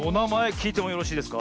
きいてもよろしいですか？